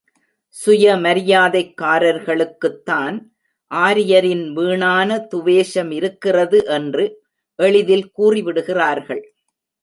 சுயமரியாதைக்காரர்களுக்குத் தான் ஆரியரின் வீணான துவேஷமிருக்கிறது என்று எளிதில் கூறிவிடுகிறார்கள்.